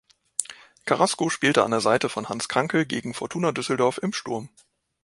Carrasco spielte an der Seite von Hans Krankl gegen Fortuna Düsseldorf im Sturm.